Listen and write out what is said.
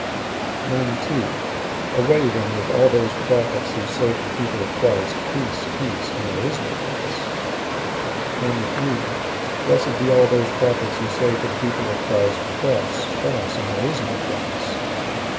92. Away, then, with all those prophets who say to the people of Christ, "Peace, peace," and there is no peace! 93. Blessed be all those prophets who say to the people of Christ, "Cross, cross," and there is no cross!